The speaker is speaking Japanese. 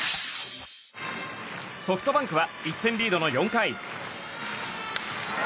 ソフトバンクは１点リードの４回。